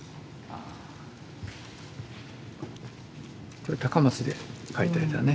これ高松で描いた絵だね。